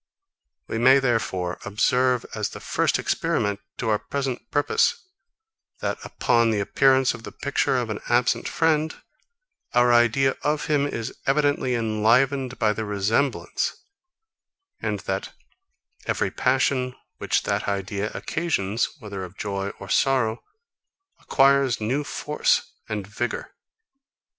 We may, therefore, observe, as the first experiment to our present purpose, that, upon the appearance of the picture of an absent friend, our idea of him is evidently enlivened by the resemblance, and that every passion, which that idea occasions, whether of joy or sorrow, acquires new force and vigour.